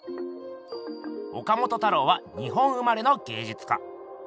岡本太郎は日本生まれの芸術家。